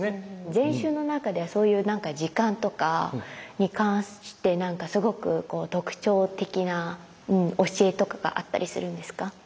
禅宗の中ではそういうなんか時間とかに関してなんかすごく特徴的な教えとかがあったりするんですか？